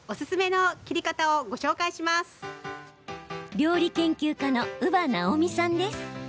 料理研究家の伯母直美さんです。